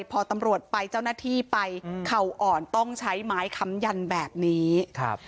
พอตำรวจไปเจ้าหน้าที่ไปเข่าอ่อนต้องใช้ไม้ค้ำยันแบบนี้ครับ